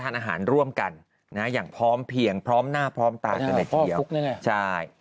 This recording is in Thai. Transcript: อาหารร่วมกันนะอย่างพร้อมเพียงพร้อมหน้าพร้อมตาก็ได้เทียวพ่อฟุ๊กเนี่ยใช่